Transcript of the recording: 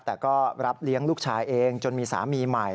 แต่ก็รับเลี้ยงลูกชายเองจนมีสามีใหม่